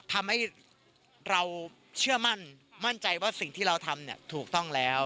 ทำให้เราเชื่อมั่นมั่นใจว่าสิ่งที่เราทำถูกต้องแล้ว